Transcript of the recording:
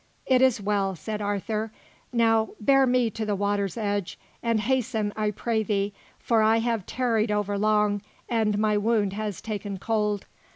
"It is well," said Arthur; "now, bear me to the water's edge; and hasten, I pray thee, for I have tarried overlong and my wound has taken cold."